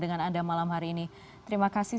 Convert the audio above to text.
dengan anda malam hari ini terima kasih